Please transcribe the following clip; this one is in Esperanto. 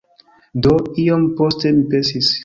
Do, iom poste mi pensis